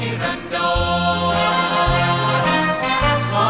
จุฬังกรมหาวิทยาลัยหรือว่าวงศึกษีของเรา